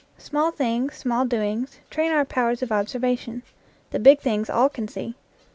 Small things, small doings, train our powers of observation. 'The big things all can see.